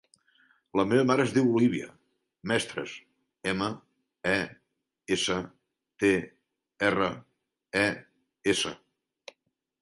La meva mare es diu Olívia Mestres: ema, e, essa, te, erra, e, essa.